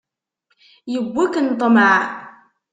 Yewwi-ken ṭṭmeɛ.